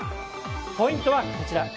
ポイントはこちら。